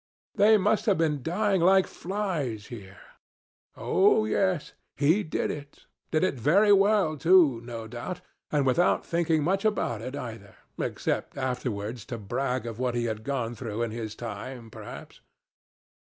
They must have been dying like flies here. Oh yes he did it. Did it very well, too, no doubt, and without thinking much about it either, except afterwards to brag of what he had gone through in his time, perhaps.